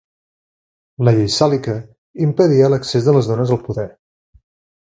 La Llei sàlica impedia l'accés de les dones al poder.